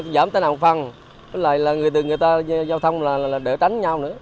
giảm tai nạn phần với lại là người từ người ta giao thông là đỡ tránh nhau nữa